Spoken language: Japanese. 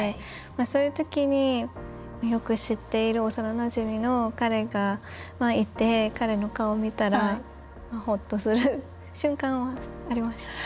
そういうときに、よく知っている幼なじみの彼がいて彼の顔を見たらほっとする瞬間はありました。